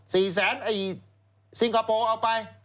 สี่แสนไอ้ซิงคโปร์เอาไป